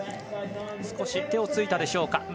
少し手をついたでしょうか。